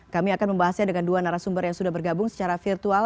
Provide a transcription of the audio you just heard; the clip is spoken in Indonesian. kami akan membahasnya dengan dua narasumber yang sudah bergabung secara virtual